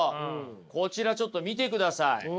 こちらちょっと見てください。